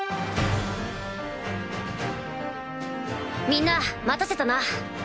みんな待たせたな。